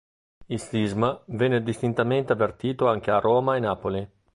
Il sisma venne distintamente avvertito anche a Roma e Napoli.